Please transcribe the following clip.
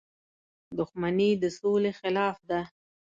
• دښمني د سولې خلاف ده.